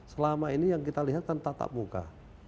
selama ini yang kita lihat kan tatap muka